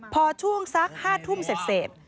พอช่วงสัก๕ทุ่มเสร็จ